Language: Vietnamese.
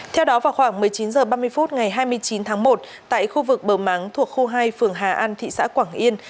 theo đó vào khoảng một mươi chín h ba mươi phút ngày hai mươi chín tháng một tại khu vực bờ máng thuộc khu hai phường hà an thị xã quảng yên